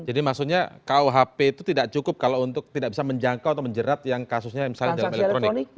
jadi maksudnya kuhp itu tidak cukup kalau untuk tidak bisa menjangkau atau menjerat yang kasusnya misalnya dalam elektronik